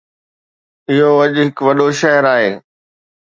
اهو اڄ هڪ وڏو شهر آهي.